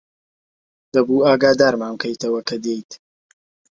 دەبوو ئاگادارمان بکەیتەوە کە دێیت.